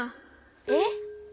えっ？